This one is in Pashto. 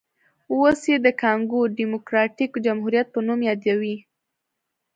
اوس یې د کانګو ډیموکراټیک جمهوریت په نوم یادوي.